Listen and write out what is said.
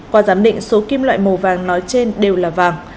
qua giám định số kim loại màu vàng nói trên đều là vàng